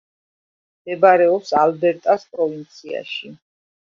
მდებარეობს ალბერტას პროვინციაში.